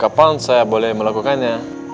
kapan saya boleh melakukannya